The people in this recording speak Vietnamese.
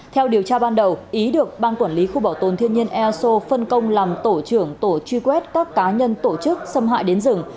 theo điều tra ban đầu ý được ban quản lý khu bảo tồn thiên nhiên easo phân công làm tổ trưởng tổ truy quét các cá nhân tổ chức xâm hại đến rừng